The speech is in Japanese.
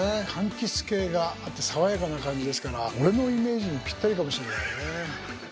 柑橘系があって爽やかな感じですから俺のイメージにピッタリかもしれないね。